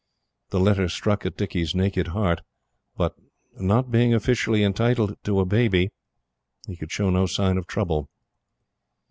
The letter struck at Dicky's naked heart; but, not being officially entitled to a baby, he could show no sign of trouble.